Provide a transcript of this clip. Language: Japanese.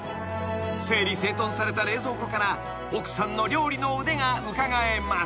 ［整理整頓された冷蔵庫から奥さんの料理の腕がうかがえます］